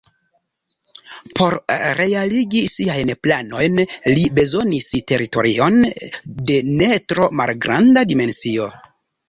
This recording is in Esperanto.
Por realigi siajn planojn li bezonis teritorion de ne tro malgranda dimensio.